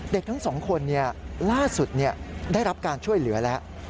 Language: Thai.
เด็กทั้งสองคนล่าสุดได้รับการช่วยเหลือแล้ว